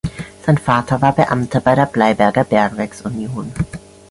Sein Vater war Beamter bei der Bleiberger Bergwerks Union.